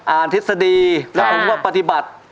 ทฤษฎีแล้วผมก็ปฏิบัติ